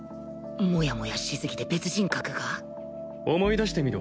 モヤモヤしすぎて別人格が？思い出してみろ。